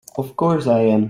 Of course I am!